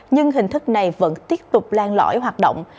nhưng hình thức này vẫn tiếp tục lan lõi hoạt động